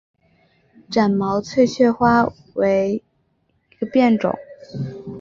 展毛翠雀花为毛茛科翠雀属下的一个变种。